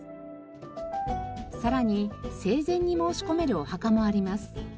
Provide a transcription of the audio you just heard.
さらに生前に申し込めるお墓もあります。